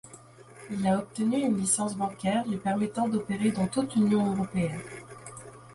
Il a obtenu une licence bancaire lui permettant d’opérer dans toute l’Union européenne.